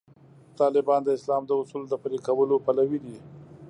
طالبان د اسلام د اصولو د پلي کولو پلوي دي.